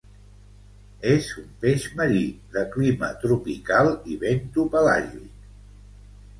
És un peix marí, de clima tropical i bentopelàgic.